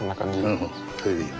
うんそれでいい。